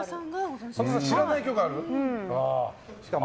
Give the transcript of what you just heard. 神田さん、知らない曲ある。